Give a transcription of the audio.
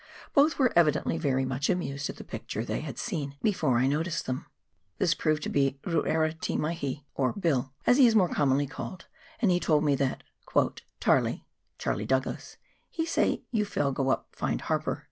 Both were evidently very much amused at the picture they had seen before I noticed them. This proved to be " Ruera te maihi," or " Bill," as he is more commonly called, and he told me that " Tarlie (Charlie Douglas) he say you fell' go up find Harper."